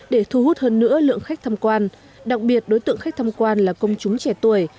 để thu hút hơn nữa lượng khách tham quan đặc biệt đối tượng khách thăm quan là công chúng trẻ tuổi